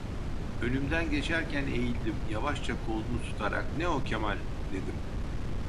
Önümden geçerken eğildim, yavaşça kolunu tutarak: "Ne o, Kemal?" dedim.